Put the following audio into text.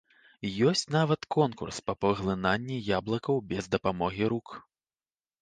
Ёсць нават конкурс па паглынанні яблыкаў без дапамогі рук.